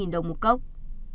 mỗi thực khách có quan điểm